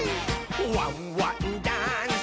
「ワンワンダンス！」